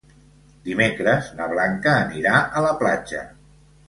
Dimecres na Blanca anirà a la platja.